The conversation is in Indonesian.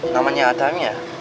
namanya adam ya